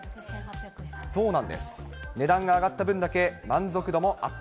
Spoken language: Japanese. そうなんです、値段が上がった分だけ満足度もアップ。